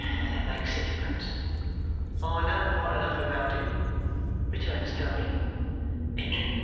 That makes a difference." "I know quite enough about it," returns Tony.